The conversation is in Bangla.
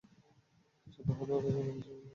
আচ্ছা, তাহলে ওটাও চলতি হিসাবে দিয়ে দিন।